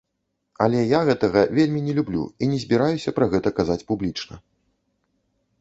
Але я гэтага вельмі не люблю і не збіраюся пра гэта казаць публічна.